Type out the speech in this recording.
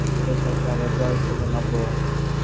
আগের দুটি ম্যাচে যেমন, তেমনি শেষ ম্যাচেও আমরা জয়ের জন্য নামব।